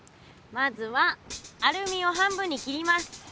まずはアルミを半分に切ります。